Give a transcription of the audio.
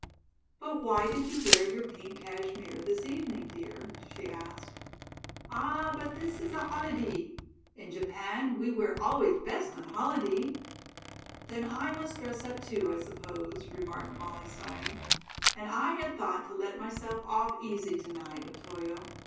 "But why did you wear your pink cashmere this evening, dear?" she asked. "Ah, but this is a holidee. In Japan we wear always best on holidee." "Then I must dress up, too, I suppose," remarked Molly, sighing, "and I had thought to let myself off easy to night, Otoyo.